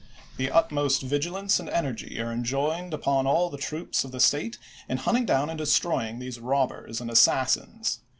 The utmost vigilance and energy are enjoined upon all the troops of the State in hunting down and destroying these rob schofieM, \)QYg aii(j assassins.